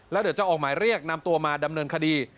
แล้วเดี๋ยวจะออกหมายเรียกนำตัวมาดำเนินคดี